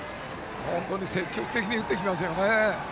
本当に積極的に打ってきますね。